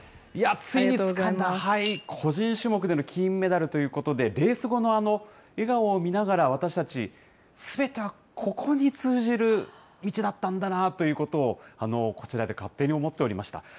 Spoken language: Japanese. ついにつかんだ、個人種目での金メダルということで、レース後の笑顔を見ながら、私たち、すべてはここに通じる道だったんだなということを、こちらで勝手に思っておりました。